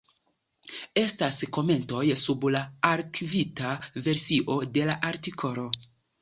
Estas komentoj sub la arkivita versio de la artikolo.